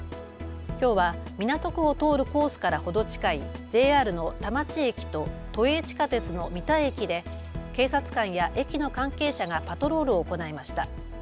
きょうは港区を通るコースから程近いＪＲの田町駅と都営地下鉄の三田駅で警察官や駅の関係者がパトロールを行いました。